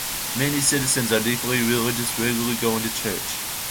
Many citizens are deeply religious, regularly going to church.